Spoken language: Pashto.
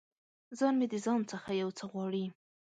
ځان مې د ځان څخه یو څه غواړي